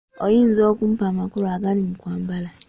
Oyinza okumpa amakulu agali mu kwambala?